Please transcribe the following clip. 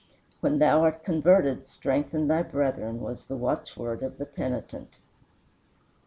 "When thou art converted, strengthen thy brethren," was the watchword of the penitent.